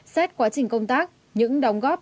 xét quá trình công tác những đóng góp